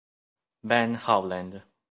Ben Howland